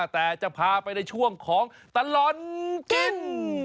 แต่จะพาไปในช่วงของตลอดกิน